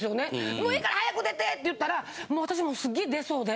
「もういいから早く出て！」って言ったらもう私もすげえ出そうで。